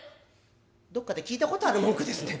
「どっかで聞いたことある文句ですね。